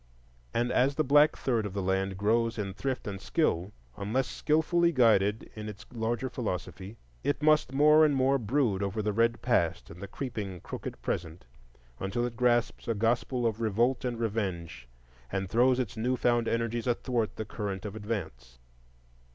And as the black third of the land grows in thrift and skill, unless skilfully guided in its larger philosophy, it must more and more brood over the red past and the creeping, crooked present, until it grasps a gospel of revolt and revenge and throws its new found energies athwart the current of advance.